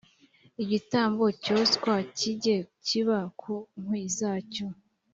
igitambo cyoswa kijye kiba ku nkwi zacyo